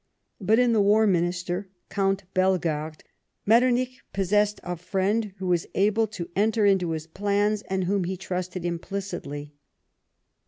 But in the War jMinister, Count Pellegarde, Metternich possessed a friend who was able to enter into all his plans, and whom he trusted implicitly.